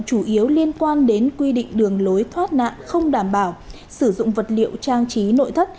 viên quan đến quy định đường lối thoát nạn không đảm bảo xử dụng vật liệu trang trí nội thất